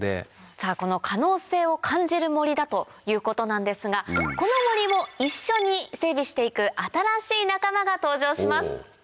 さぁこの可能性を感じる森だということなんですがこの森を一緒に整備していく新しい仲間が登場します。